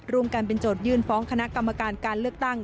ร่วมกันเป็นโจทยื่นฟ้องคณะกรรมการการเลือกตั้ง